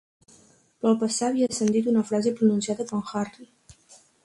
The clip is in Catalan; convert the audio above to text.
Però al passar havia sentit una frase pronunciada per Harry.